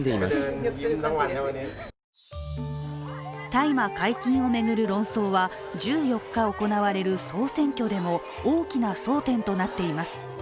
大麻解禁を巡る論争は１４日行われる総選挙でも大きな争点となっています。